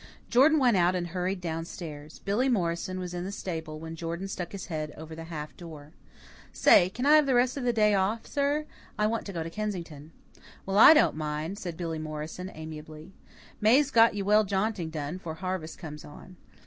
Jordan went out and hurried down stairs. Billy Morrison was in the stable, when Jordan stuck his head over the half door. "Say, can I have the rest of the day off, sir? I want to go to Kensington." "Well, I don't mind," said Billy Morrison amiably. "May's well get you jaunting done 'fore harvest comes on.